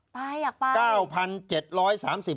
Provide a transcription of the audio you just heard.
ไปอยากไป